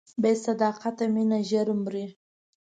بې صداقته مینه ژر مري.